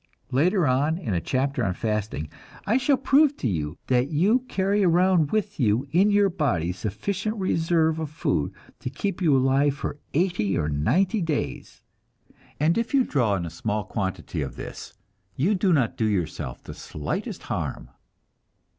Later on, in a chapter on fasting, I shall prove to you that you carry around with you in your body sufficient reserve of food to keep you alive for eighty or ninety days; and if you draw on a small quantity of this you do not do yourself the slightest harm.